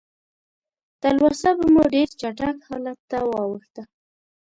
تلوسه به مو ډېر چټک حالت ته واوښته.